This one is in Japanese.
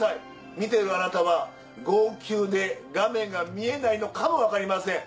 見てるあなたは号泣で画面が見えないのかもわかりません。